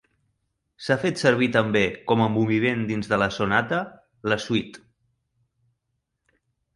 S'ha fet servir també com a moviment dins de la sonata, la suite.